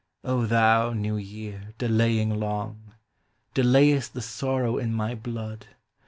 O thou, new year, delaying long, Delayest the sorrow in my blood.